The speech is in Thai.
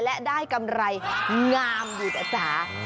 และได้กำไรงามอยู่นะจ๊ะ